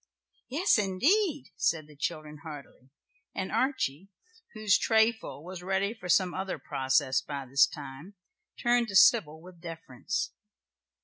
"Yes indeed," said the children heartily, and Archie, whose trayful was ready for some other process by this time, turned to Sybil with deference.